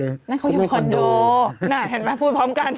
นั่นเขายังมีคอนโดน่ะเห็นมั้ยพูดพร้อมกัน